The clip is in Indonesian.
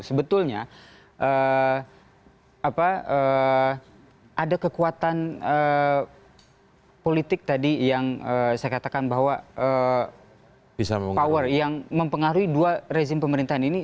sebetulnya ada kekuatan politik tadi yang saya katakan bahwa power yang mempengaruhi dua rezim pemerintahan ini